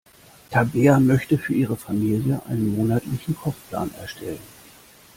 Tabea möchte für ihre Familie einen monatlichen Kochplan erstellen.